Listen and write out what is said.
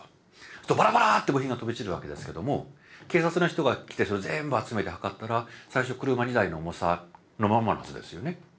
するとバラバラーッと部品が飛び散るわけですけども警察の人が来てそれ全部集めて量ったら最初車２台の重さのまんまのはずですよね。